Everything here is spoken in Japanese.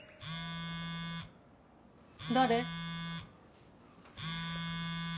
誰？